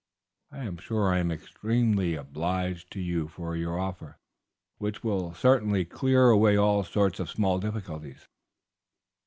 I am sure I am extremely obliged to you for your offer, which will certainly clear away all sorts of small difficulties."